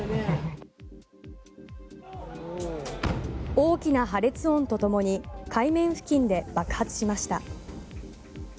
大きな破裂音とともに海面付近で爆発しました。